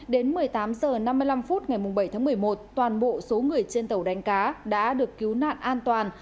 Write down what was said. đến một mươi tám h năm mươi năm phút ngày bảy tháng một mươi một toàn bộ số người trên tàu đánh cá đã được cứu nạn an toàn